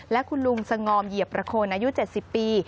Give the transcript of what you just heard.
และคุณลุงสงอมเหยียบประโคนอายุ๗๐ปี